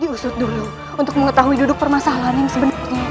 diusut dulu untuk mengetahui duduk permasalahan yang sebenarnya